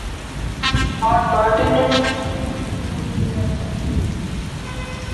Hot বারটেন্ডারের থেকে একটা কোল্ড বিয়ার চাই, প্লিজ।